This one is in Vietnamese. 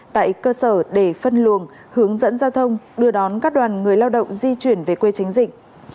tại cơ sở để phân luồng hướng dẫn giao thông đưa đón các đoàn người lao động di chuyển về quê chính dịch